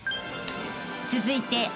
［続いて］